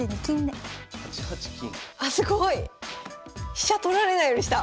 飛車取られないようにした！